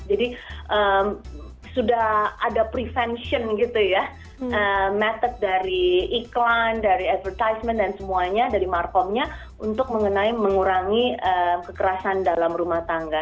jadi sudah ada prevention gitu ya method dari iklan dari advertisement dan semuanya dari markomnya untuk mengurangi kekerasan dalam rumah tangga